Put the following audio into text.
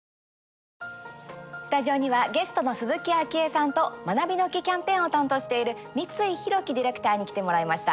スタジオにはゲストの鈴木あきえさんと「まなびの木キャンペーン」を担当している三井広樹ディレクターに来てもらいました。